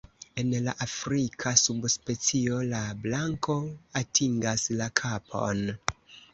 En la afrika subspecio la blanko atingas la kapon.